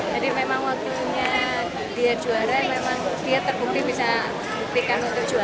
jadi memang waktunya dia juara memang dia terbukti bisa diperikan untuk juara